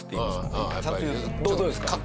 どうですか？